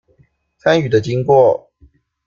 參與的經過